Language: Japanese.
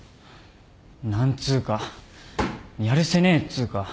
何つうかやるせねえっつうか。